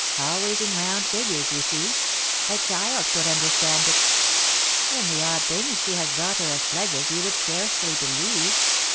Always in round figures, you see, a child could understand it. And the odd things she has brought her as pledges you would scarcely believe.